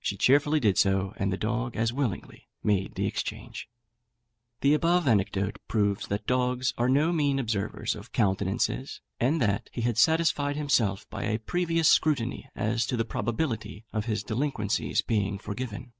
She cheerfully did so, and the dog as willingly made the exchange." The above anecdote proves that dogs are no mean observers of countenances, and that he had satisfied himself by a previous scrutiny as to the probability of his delinquencies being forgiven.